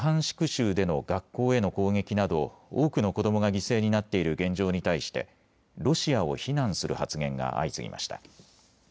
州での学校への攻撃など多くの子どもが犠牲になっている現状に対してロシアを非難する発言が相次ぎました。